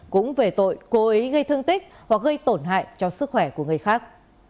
cũng về tội cố ý gây thương tích hoặc gây tổn hại cho sức khỏe của người khác